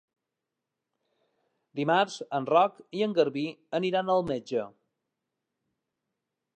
Dimarts en Roc i en Garbí aniran al metge.